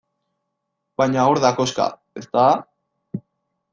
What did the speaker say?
Baina hor da koxka, ezta?